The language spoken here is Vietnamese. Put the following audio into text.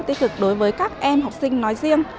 tích cực đối với các em học sinh nói riêng